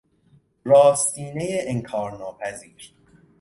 راستینهی انکارناپذیر